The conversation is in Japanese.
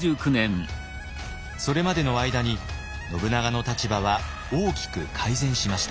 それまでの間に信長の立場は大きく改善しました。